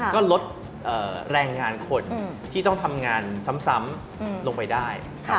ก็ลดแรงงานคนที่ต้องทำงานซ้ำลงไปได้